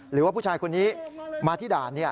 หรือว่าผู้ชายคนนี้มาที่ด่าน